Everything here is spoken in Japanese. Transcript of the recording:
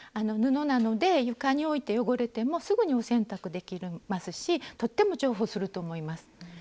布なので床に置いて汚れてもすぐにお洗濯できますしとっても重宝すると思います。